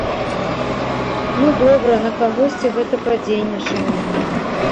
Ну добра, на кагосьці гэта падзейнічае.